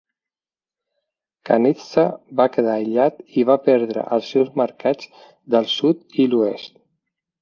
Kanizsa va quedar aïllat i va perdre els seus mercats del sud i l'oest.